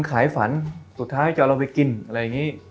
ขายฝันสุดท้ายจะเอาเราไปกินอะไรอย่างนี้